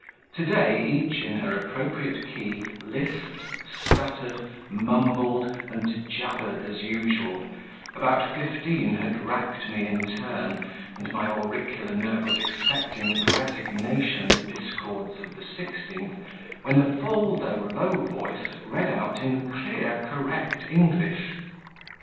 To day, each in her appropriate key, lisped, stuttered, mumbled, and jabbered as usual; about fifteen had racked me in turn, and my auricular nerve was expecting with resignation the discords of the sixteenth, when a full, though low voice, read out, in clear correct English.